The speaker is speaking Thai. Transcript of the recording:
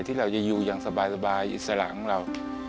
ที่เราจะอยู่อย่างสบายอิสระของเรา